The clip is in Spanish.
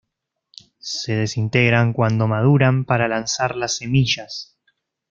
Se desintegran cuando maduran para lanzar las semillas.